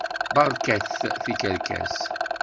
Berkat tikerkas.